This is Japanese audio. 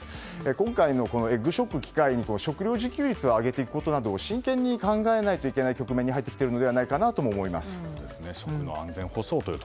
今回のエッグショックを機会に食料自給率を上げていくことなどを真剣に考えなくてはいけない局面に入ってきているのではないかなとも思います。